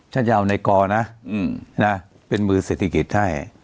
จะเอาในกรนะเป็นมือเศรษฐกิจให้